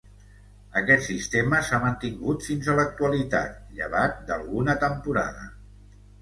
Aquest sistema s'ha mantingut fins a l'actualitat, llevat d'alguna temporada.